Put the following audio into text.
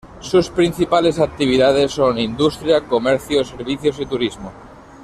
Sus principales actividades son: industria, comercio, servicios y turismo.